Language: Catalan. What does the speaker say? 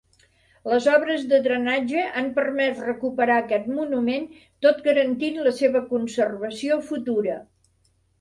Les obres de drenatge han permès recuperar aquest monument tot garantint la seva conservació futura.